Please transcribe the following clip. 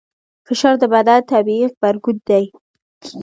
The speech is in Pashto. فشار د بدن طبیعي غبرګون دی.